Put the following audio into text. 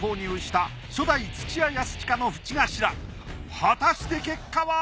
果たして結果は！？